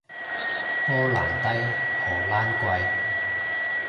波蘭低，荷蘭貴